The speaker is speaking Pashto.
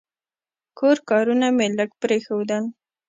کور کارونه مې لږ پرېښودل.